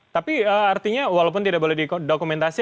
tapi artinya walaupun tidak boleh didokumentasi